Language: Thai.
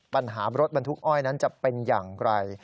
ปัญหารถบรรทุกอ้อยนั้นจะเป็นอย่างไร